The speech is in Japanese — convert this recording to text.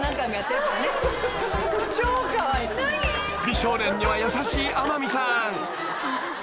［美少年には優しい天海さん］